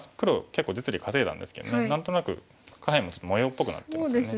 結構実利稼いだんですけど何となく下辺もちょっと模様っぽくなってますね。